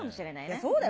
そうだよ。